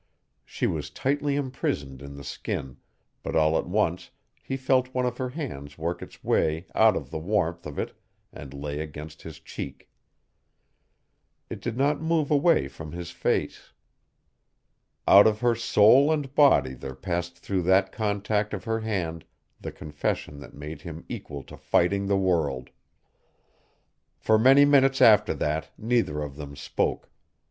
She was tightly imprisoned in the skin, but all at once he felt one of her hands work its way out of the warmth of it and lay against his cheek. It did not move away from his face. Out of her soul and body there passed through that contact of her hand the confession that made him equal to fighting the world. For many minutes after that neither of them spoke.